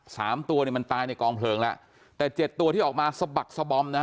สามตัวเนี่ยมันตายในกองเพลิงแล้วแต่เจ็ดตัวที่ออกมาสะบักสะบอมนะฮะ